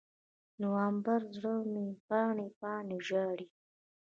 نومبره، زړه مې پاڼې، پاڼې ژاړي